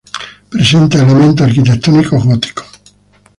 Presenta elementos arquitectónicos góticos.